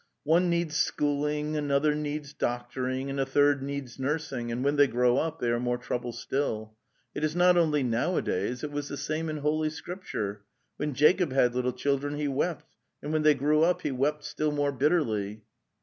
One needs schooling, another needs doctoring, and a third needs nursing, and when they grow up they are more trouble still. It is not only nowadays, it was the same in Holy Scripture. When Jacob had little children he wept, and when they grew up he wept still more bitterly."